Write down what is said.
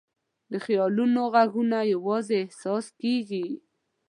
د خیالونو ږغونه یواځې احساس کېږي.